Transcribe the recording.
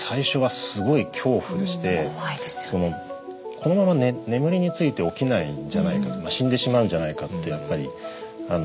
このまま眠りについて起きないんじゃないか死んでしまうんじゃないかってやっぱり思ってましたし。